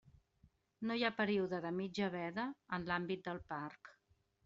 No hi ha període de mitja veda en l'àmbit del parc.